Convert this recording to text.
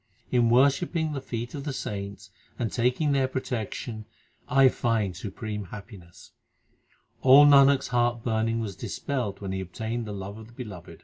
In worshipping the feet of the saints and taking their protection I find supreme happiness. All Nanak s heart burning was dispelled When he obtained the love of the Beloved. 1 Gajmoti.